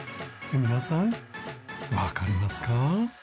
皆さんわかりますか？